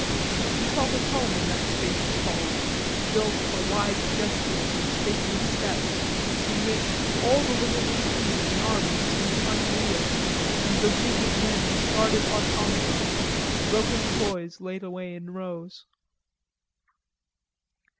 He felt at home in that spacious hall, built for wide gestures and stately steps, in which all the little routine of the army seemed unreal, and the wounded men discarded automatons, broken toys laid away in rows.